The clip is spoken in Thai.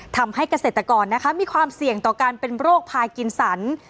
ทำให้เกษตรกรนะคะมีความเสี่ยงต่อการเป็นโรคพากินสัน